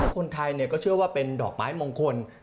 คนไทยก็เชื่อว่าเป็นดอกไม้มงคล